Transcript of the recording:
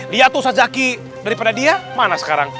lihat tuh ustaz zaky daripada dia mana sekarang